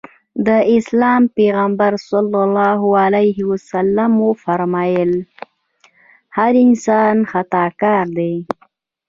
د اسلام پيغمبر ص وفرمایل هر انسان خطاکار دی.